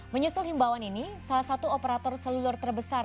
menyusul himbawan ini salah satu operator seluler terbesar